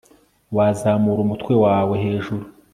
wazamura umutwe wawe hejuru